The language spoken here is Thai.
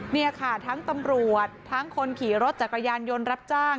นี่ค่ะทั้งตำรวจทั้งคนขี่รถจักรยานยนต์รับจ้าง